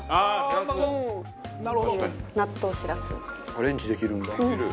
アレンジできるんだ。